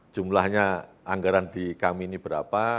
jumlahnya anggaran di kami ini berapa